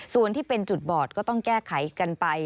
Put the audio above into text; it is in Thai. ส่วนที่เป็นจุดบอดก็ต้องแก้ไขกันไป